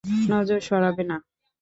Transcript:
নজর সরাবে না।